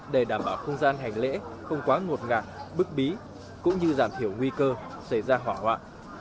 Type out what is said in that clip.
để đảm bảo không gian hành lễ không quá ngột ngạt bức bí cũng như giảm thiểu nguy cơ xảy ra hỏa hoạn